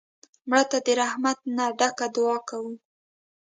مړه ته د رحمت نه ډکه دعا کوو